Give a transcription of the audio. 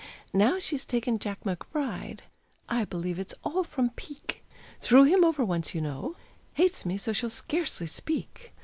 Now, she's taken Jack McBride, I believe it's all from pique Threw him over once, you know Hates me so she'll scarcely speak.